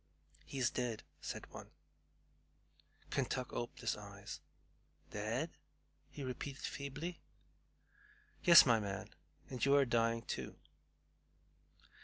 "He is dead," said one. Kentuck opened his eyes. "Dead?" he repeated feebly. "Yes, my man, and you are dying too."